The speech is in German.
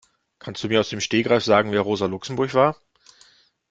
Kannst du mir aus dem Stegreif sagen, wer Rosa Luxemburg war?